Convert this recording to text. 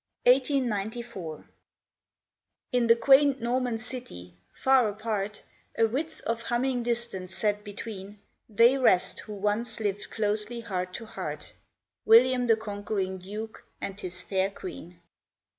CAEN 13 CAEN 1894 IN the quaint Norman city, far apart, A width of humming distance set between, They rest who once lived closely heart to heart, William the conquering Duke and his fair Queen.